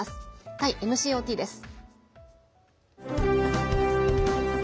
タイＭＣＯＴです。